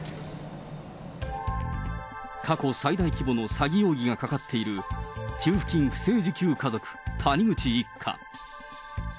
過去最大規模の詐欺容疑がかかっている、給付金不正受給家族、谷口一家。